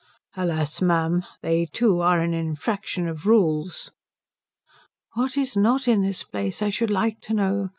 "Alas, ma'am, they too are an infraction of rules." "What is not in this place, I should like to know?"